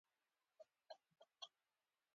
وئ خوږ شوم